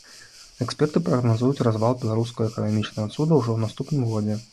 Эксперты прагназуюць развал беларускага эканамічнага цуда ўжо ў наступным годзе.